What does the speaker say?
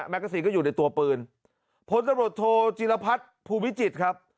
แมกกาซินก็อยู่ในตัวปืนผลตะบดโทรจีรพรรดิภูมิจิตครับ